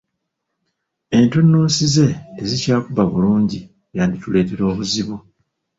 Entunnunsi ze tezikyakuba bulungi yandituleetera obuzibu.